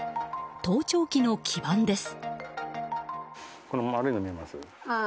盗聴器の基板です。